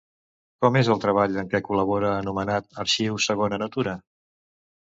Com és el treball en què col·labora, anomenat Arxiu Segona natura?